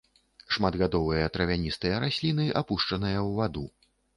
Шматгадовыя травяністыя расліны, апушчаныя ў ваду.